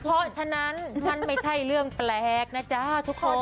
เพราะฉะนั้นมันไม่ใช่เรื่องแปลกนะจ๊ะทุกคน